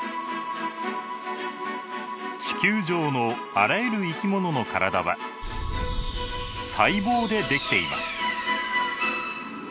地球上のあらゆる生き物の体は細胞でできています。